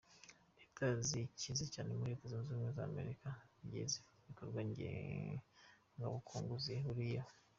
Leta zikize cyane muri Leta Zunze Ubumwe za Amerika zigiye zifite ibikorwa ngengabukungu zihuriyeho.